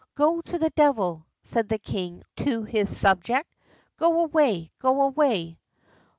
"Go to the devil," said the king to his subject. "Go away! go away!"